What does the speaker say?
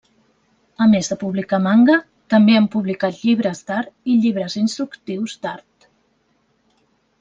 A més de publicar manga també han publicat llibres d'art i llibres instructius d'art.